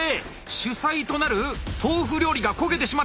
主菜となる豆腐料理が焦げてしまったのか！